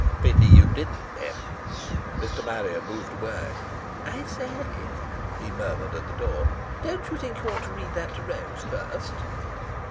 "Pity you didn't, then!" Mr. Marrier moved away. "I say," he murmured at the door, "don't you think you ought to read that to Rose first?"